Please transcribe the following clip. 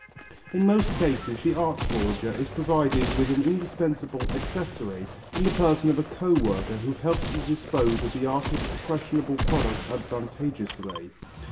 In most cases the art forger is provided with an indispensable accessory in the person of a co worker who helps to dispose of the artist's questionable product advantageously.